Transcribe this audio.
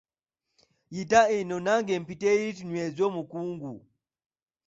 Yita eno nange mpite eri tunyweze omukungu.